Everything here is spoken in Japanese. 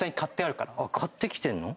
買ってきてんの？